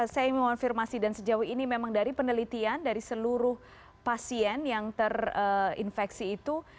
saya ingin mengonfirmasi dan sejauh ini memang dari penelitian dari seluruh pasien yang terinfeksi itu